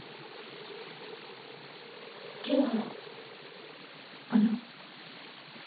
ではあの。